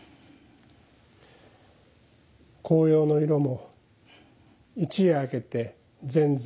紅葉の色も一夜明けて全山